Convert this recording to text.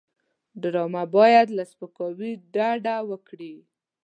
ډرامه باید له سپکاوي ډډه وکړي